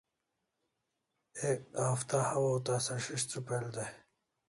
Ek hafta hawaw tasa si's' trupel dai